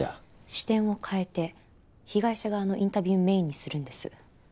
視点を変えて被害者側のインタビューメインにするんです。